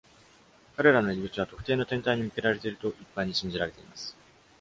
彼らの入り口は特定の天体に向けられていると一般に信じられています。